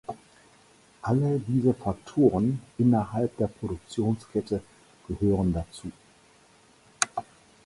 Alle diese Faktoren innerhalb der Produktionskette gehören dazu.